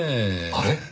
あれ？